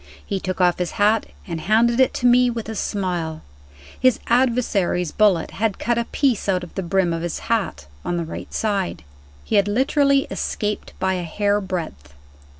He took off his hat, and handed it to me with a smile. His adversary's bullet had cut a piece out of the brim of his hat, on the right side. He had literally escaped by a hair breadth.